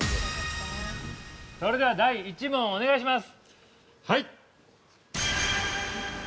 ◆それでは、第１問お願いします。